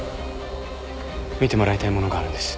見てもらいたいものがあるんです。